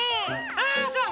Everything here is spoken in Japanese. あそう？